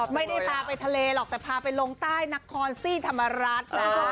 ไม่ได้พาไปทะเลหรอกแต่พาไปลงใต้นครซี่ธรรมรัฐ